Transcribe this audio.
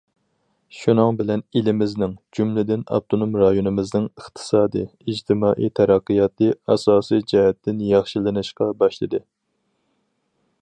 شۇنىڭ بىلەن ئېلىمىزنىڭ، جۈملىدىن ئاپتونوم رايونىمىزنىڭ ئىقتىسادىي، ئىجتىمائىي تەرەققىياتى ئاساسىي جەھەتتىن ياخشىلىنىشقا باشلىدى.